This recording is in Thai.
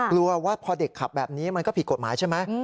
กลัวว่าพอเด็กขับแบบนี้มันก็ผิดกฎหมายใช่ไหม